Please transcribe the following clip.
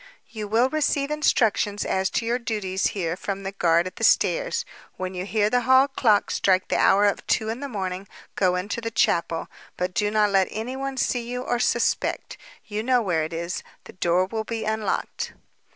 "You will receive instructions as to your duties here from the guard at the stairs. When you hear the hall clock strike the hour of two in the morning go into the chapel, but do not let anyone see you or suspect. You know where it is. The door will be unlocked."